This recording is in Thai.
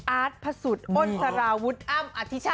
อาร์ตพระสุทธิ์อ้นสารวุฒิอ้ำอธิชาติ